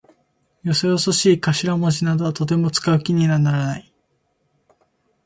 よそよそしい頭文字などはとても使う気にならない。